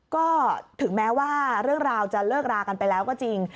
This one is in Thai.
ก็ถึงแม้ว่าเรื่องราวจะเลิกรากันไปแล้วก็จริง